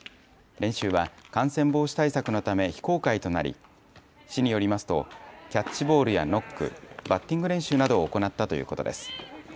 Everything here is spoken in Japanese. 練習は感染防止対策のため非公開となり、市によりますとキャッチボールやノック、バッティング練習などを行ったということです。